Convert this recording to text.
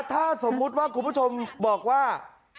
ถ้าสมมุติว่าคุณผู้ชมบอกว่า